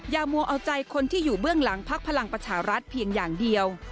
มัวเอาใจคนที่อยู่เบื้องหลังพักพลังประชารัฐเพียงอย่างเดียว